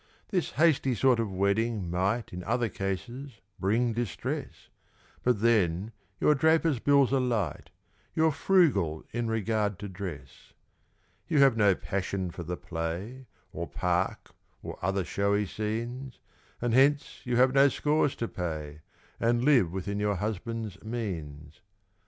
This hasty sort of wedding might, In other cases, bring distress; But then, your draper's bills are light You're frugal in regard to dress. You have no passion for the play, Or park, or other showy scenes; And, hence, you have no scores to pay, And live within your husband's means.